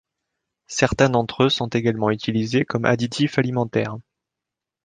Certains d'entre eux sont également utilisés comme additifs alimentaires.